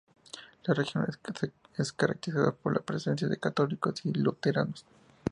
La región es caracterizada por la presencia de católicos y luteranos.